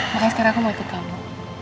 makanya sekarang aku mau ikut kamu